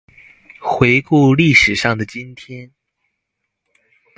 回顧歷史上的今天